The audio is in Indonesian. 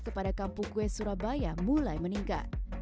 kepada kampung kue surabaya mulai meningkat